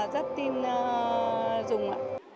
rất tin dùng